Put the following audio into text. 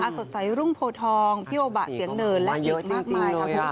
อสดใสรุ่งโพทองพี่โอบะเสียงเดินและอิกมากมายค่ะ